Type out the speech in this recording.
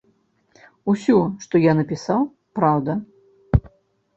Усё, што я напісаў, праўда.